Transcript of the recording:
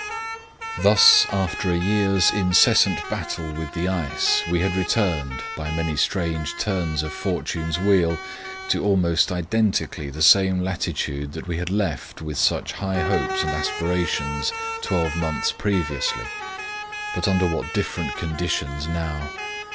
Thus, after a year's incessant battle with the ice, we had returned, by many strange turns of fortune's wheel, to almost identically the same latitude that we had left with such high hopes and aspirations twelve months previously; but under what different conditions now!